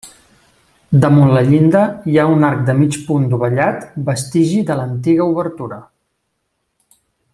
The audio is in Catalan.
Damunt la llinda hi ha un arc de mig punt dovellat, vestigi de l'antiga obertura.